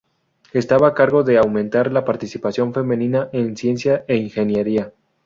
Estaba a cargo de aumentar la participación femenina en ciencia e ingeniería.